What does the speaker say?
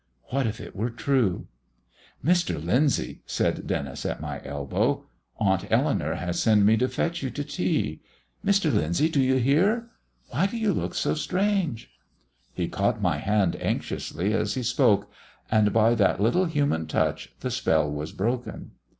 What if it were true? "Mr. Lyndsay," said Denis at my elbow, "Aunt Eleanour has sent me to fetch you to tea. Mr. Lyndsay, do you hear? Why do you look so strange?" He caught my hand anxiously as he spoke, and by that little human touch the spell was broken.